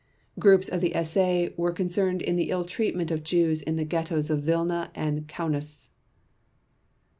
Groups of the SA were concerned in the ill treatment of Jews in the ghettos of Vilna and Kaunas.